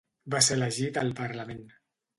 Va ser elegit al parlament.